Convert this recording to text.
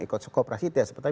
ikut kooperasi itu ya